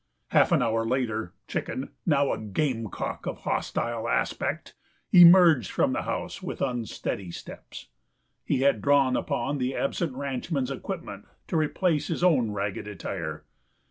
Half an hour later, Chicken now a gamecock of hostile aspect emerged from the house with unsteady steps. He had drawn upon the absent ranchman's equipment to replace his own ragged attire.